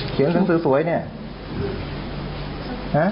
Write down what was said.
เขียนคำสือสวยเนี่ย